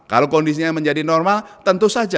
kalau kondisinya menjadi normal tentu saja